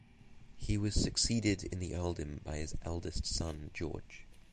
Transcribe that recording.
He was succeeded in the earldom by his eldest son George.